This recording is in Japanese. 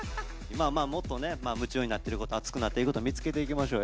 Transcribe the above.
まあまあもっとね夢中になってることアツくなっていくこと見つけていきましょう。